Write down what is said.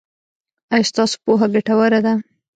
ایا ستاسو پوهه ګټوره ده؟